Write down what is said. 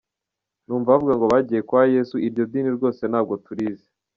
Numva bavuga ngo bagiye kwa Yesu iryo dini rwose ntabwo turizi.